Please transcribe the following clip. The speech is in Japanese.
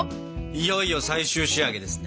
いよいよ最終仕上げですね。